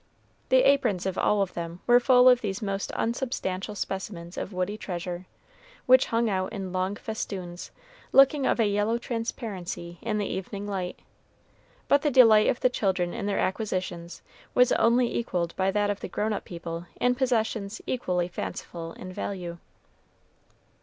The aprons of all of them were full of these most unsubstantial specimens of woody treasure, which hung out in long festoons, looking of a yellow transparency in the evening light. But the delight of the children in their acquisitions was only equaled by that of grown up people in possessions equally fanciful in value.